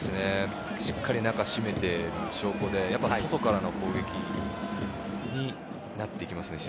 しっかり中、締めている証拠で外からの攻撃になっていきますね。